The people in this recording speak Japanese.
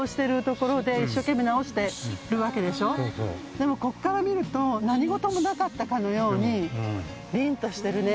でもここから見ると何事もなかったかのようにりんとしてるね。